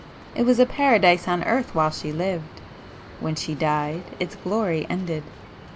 It was a paradise on earth while she lived,—when she died, its glory ended.